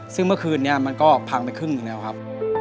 ซึ่งเมื่อคืนนี้มันก็พังไปครึ่งหนึ่งแล้วครับ